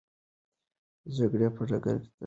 د جګړې په ډګر کې تېښته سوې.